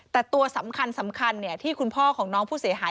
แต่ตัวสำคัญที่คุณพ่อของน้องผู้เสียหาย